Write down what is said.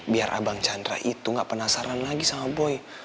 biar abang chandra itu gak penasaran lagi sama boy